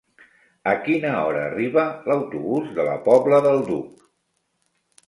A quina hora arriba l'autobús de la Pobla del Duc?